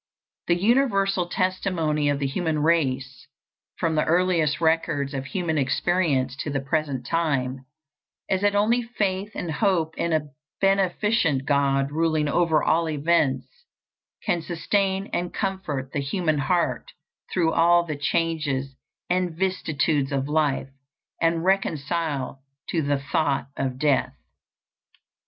The universal testimony of the human race, from the earliest records of human experience to the present time, is that only faith and hope in a beneficent God ruling over all events can sustain and comfort the human heart through all the changes and vicissitudes of life, and reconcile to the thought of death.